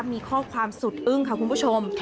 มีข้อความสุดอึ้งค่ะคุณผู้ชม